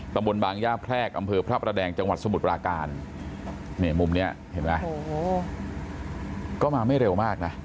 ตำบลบางย่าแพร่กอำเภอพระประแหน่งจังหวัดสมุทรปราการเนี่ยมุมเนี่ยเห็นมั้ยก็มาไม่เร็วมากนะ